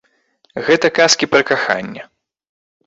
Гэта казкі пра каханне.